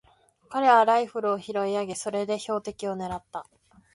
彼はライフルを拾い上げ、それで標的をねらった。